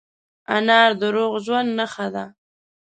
انار د روغ ژوند نښه ده.